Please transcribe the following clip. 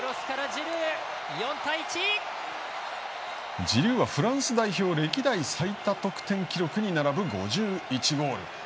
ジルーはフランス代表歴代最多得点記録に並ぶ５１ゴール。